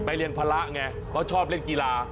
เรียนภาระไงเพราะชอบเล่นกีฬา